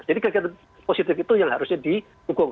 jadi kegiatan positif itu yang harusnya dihukum